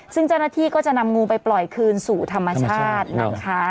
ซึ่งเจ้าหน้าที่ก็จะนำงูไปปล่อยคืนสู่ธรรมชาตินะคะ